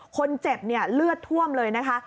คนเจ็บเลือดท่วมเลยนะคะ